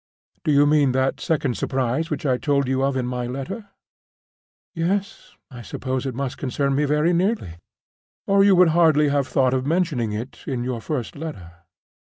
—Do you mean that second surprise which I told you of in my letter?" "Yes. I suppose it must concern me very nearly, or you would hardly have thought of mentioning it in your first letter?"